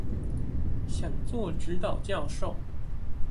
想做指導教授